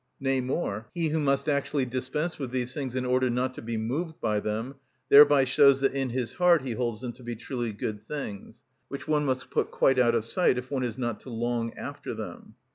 Nay more, he who must actually dispense with these things in order not to be moved by them, thereby shows that in his heart he holds them to be truly good things, which one must put quite out of sight if one is not to long after them.